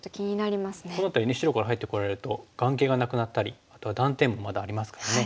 この辺りね白から入ってこられると眼形がなくなったりあとは断点もまだありますからね。